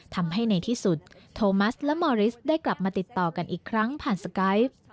ทำให้ในที่สุดโทมัสและมอริสได้กลับมาติดต่อกันอีกครั้งผ่านสไกฟ์